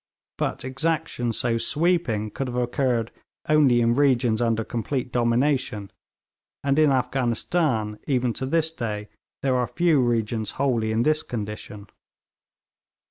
But exaction so sweeping could have occurred only in regions under complete domination; and in Afghanistan, even to this day, there are few regions wholly in this condition.